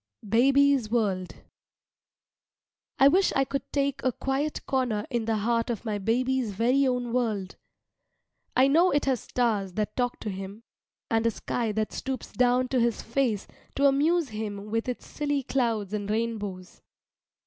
BABY'S WORLD I wish I could take a quiet corner in the heart of my baby's very own world. I know it has stars that talk to him, and a sky that stoops down to his face to amuse him with its silly clouds and rainbows.